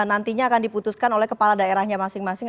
nantinya akan diputuskan oleh kepala daerahnya masing masing